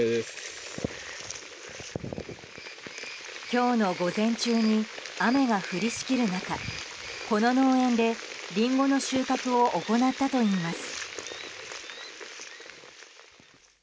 今日の午前中に雨が降りしきる中この農園でリンゴの収穫を行ったといいます。